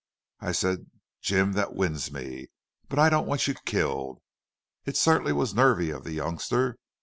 "I said 'Jim, that wins me. But I don't want you killed.'... It certainly was nervy of the youngster.